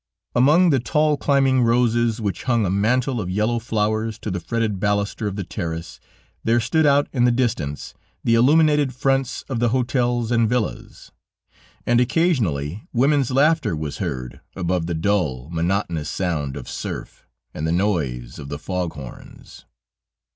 Among the tall climbing roses, which hung a mantle of yellow flowers to the fretted baluster of the terrace, there stood out in the distance the illuminated fronts of the hotels and villas, and occasionally women's laughter was heard above the dull, monotonous sound of surf and the noise of the fog horns.